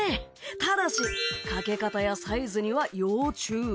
ただしかけ方やサイズには要注意。